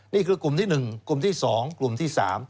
นี่คือกลุ่มที่๑กลุ่มที่๒กลุ่มที่๓